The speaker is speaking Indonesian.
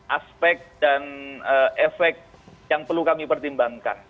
aspek dan efek yang perlu kami pertimbangkan